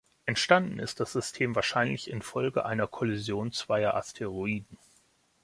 Entstanden ist das System wahrscheinlich infolge einer Kollision zweier Asteroiden.